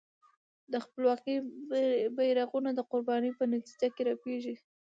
د خپلواکۍ بېرغونه د قربانۍ په نتیجه کې رپېږي.